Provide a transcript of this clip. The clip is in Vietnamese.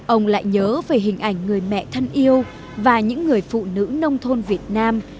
ông lại nhớ về hình ảnh người mẹ thân yêu và những người phụ nữ nông thôn việt nam